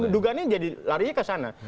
dugaannya larinya ke sana